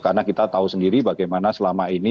karena kita tahu sendiri bagaimana selama ini